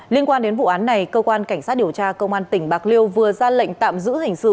liên quan đến vụ án này cơ quan cảnh sát điều tra công an tỉnh bạc liêu vừa ra lệnh tạm giữ hình sự